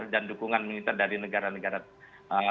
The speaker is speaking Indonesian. dan dukungan militer dari negara negara